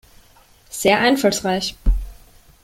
Sehr einfallsreich!